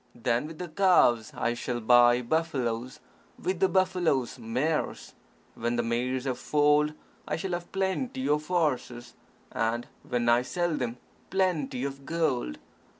Then, with the calves, I shall buy buffaloes; with the buffaloes, mares. When the mares have foaled, I shall have plenty of horses; and when I sell them, plenty of gold.